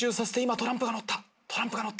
トランプがのった。